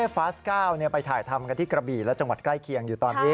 ฟาส๙ไปถ่ายทำกันที่กระบี่และจังหวัดใกล้เคียงอยู่ตอนนี้